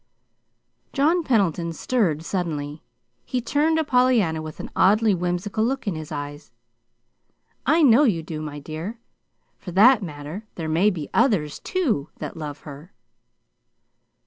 John Pendleton stirred suddenly. He turned to Pollyanna with an oddly whimsical look in his eyes. "I know you do, my dear. For that matter, there may be others, too that love her."